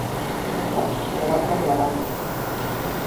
Polo tanto, isto haberá que aclaralo.